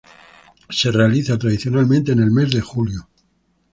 Se realiza tradicionalmente en el mes de julio.